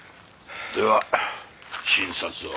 では診察を。